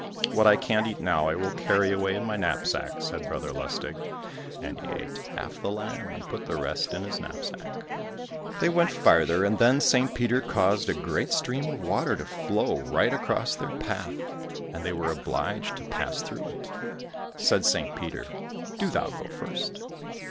"What I can't eat now, I will carry away in my knapsack," said Brother Lustig, and he ate half the lamb, and put the rest in his knapsack. They went farther, and then St. Peter caused a great stream of water to flow right across their path, and they were obliged to pass through it. Said St. Peter, "Do thou go first."